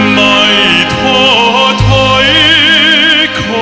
ไม่เร่รวนภาวะผวังคิดกังคัน